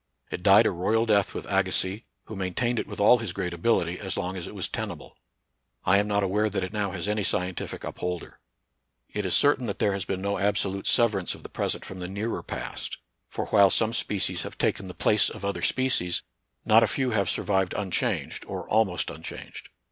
It died a royal death with Agassiz, who maintained it with all his great ability, as long as it was tena ble. I am not aware that it now has any scien tific upholder. It is certain that there has been no absolute severance of the present from the nearer past ; for while some species have taken 36 NATURAL SCIENCE AND RELIGION. the place of other species, not a few have sur vived unchanged, or almost unchanged.